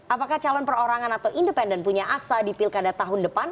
apakah calon perorangan atau independen punya asa di pilkada tahun depan